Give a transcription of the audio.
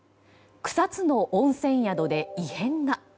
草津の温泉宿で異変が。